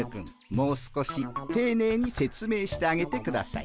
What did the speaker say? もう少していねいに説明してあげてください。